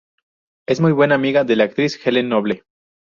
Es muy buena amiga de la actriz Helen Noble.